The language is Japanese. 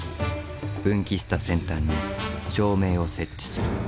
分岐した先端に照明を設置する。